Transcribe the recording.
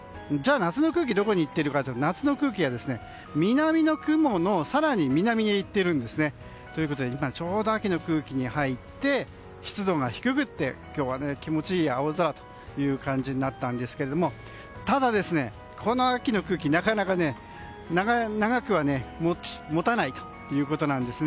夏の空気はどこにいったかというと夏の空気は南の雲の更に南に行っているんですね。ということで、今ちょうど秋の空気に入って、湿度が低くて今日は気持ちいい青空となったんですがただ、この秋の空気なかなか長くはもたないということです。